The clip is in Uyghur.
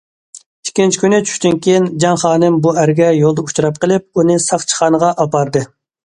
ئىككىنچى كۈنى چۈشتىن كېيىن، جاڭ خانىم بۇ ئەرگە يولدا ئۇچراپ قېلىپ ئۇنى ساقچىخانىغا ئاپاردى.